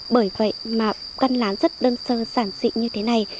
bởi vậy mà căn lán rất đơn sơ sản dị như thế này